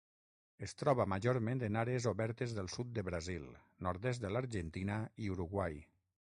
Es troba majorment en àrees obertes del sud de Brasil, nord-est de l'Argentina i Uruguai.